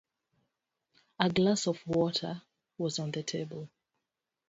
A glass of water was on the table.